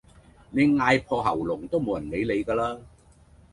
你嗌破喉嚨都無人理你咖啦